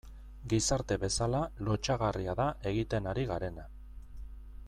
Gizarte bezala lotsagarria da egiten ari garena.